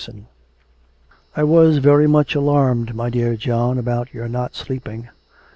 'I was very much alarmed, my dear John, about your not sleeping.